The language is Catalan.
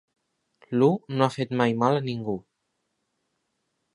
L'u no ha fet mai mal a ningú.